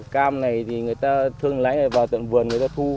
cam này thì người ta thường lấy vào tận vườn người ta thu